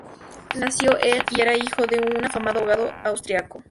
Nació el y era hijo de un afamado abogado austriaco.